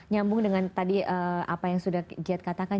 nyambung dengan tadi apa yang sudah jad katakan